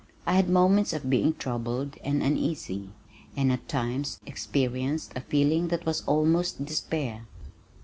I had moments of being troubled and uneasy and at times experienced a feeling that was almost despair.